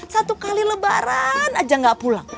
satu kali lebaran aja gak pulang